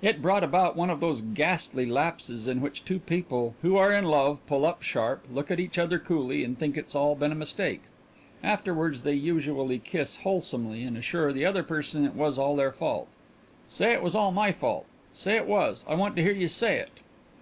It brought about one of those ghastly lapses in which two people who are in love pull up sharp, look at each other coolly and think it's all been a mistake. Afterward they usually kiss wholesomely and assure the other person it was all their fault. Say it all was my fault! Say it was! I want to hear you say it!